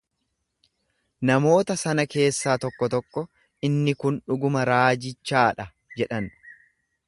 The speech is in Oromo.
Namoota sana keessaa tokko tokko, Inni kun dhuguma raajichaa dha jedhan.